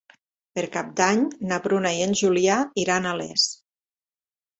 Per Cap d'Any na Bruna i en Julià iran a Les.